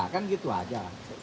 kan gitu aja